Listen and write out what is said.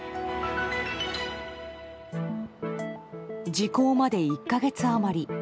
時効まで１か月余り。